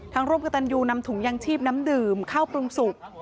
ทางร่วมกับแตนยูนนำถุงยังชีพน้ำดืมข้าวปลิวงสุก